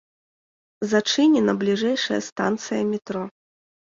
Зачынена бліжэйшай станцыя метро.